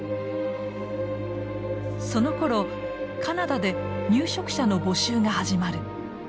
そのころカナダで入植者の募集が始まる。